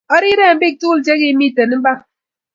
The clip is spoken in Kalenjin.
Arire eny bik tugul che kimiten imbar